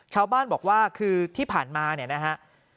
ชาวบ้านบอกว่าคือที่ผ่านมาเนี่ยนะฮะ